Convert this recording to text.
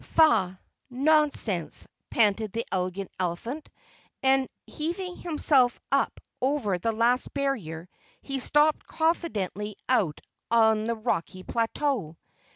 "Pah! nonsense," panted the Elegant Elephant. And heaving himself up over the last barrier, he stepped confidently out on the rocky plateau.